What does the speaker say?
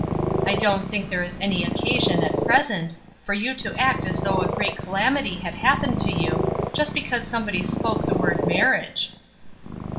I don't think there is any occasion, at present, for you to act as though a great calamity had happened to you, just because somebody spoke the word 'mar riage.'